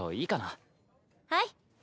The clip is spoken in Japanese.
はい。